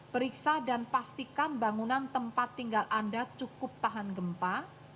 periksa dan pastikan bangunan tempat tinggal anda cukup tahan gempa